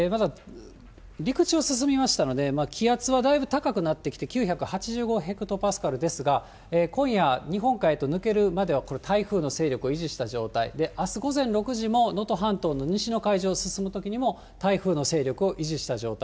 陸地を進みましたので、気圧はだいぶ高くなってきて、９８５ヘクトパスカルですが、今夜、日本海へと抜けるまでは台風の勢力を維持した状態で、あす午前６時も、能登半島の西の海上を進むときにも台風の勢力を維持した状態。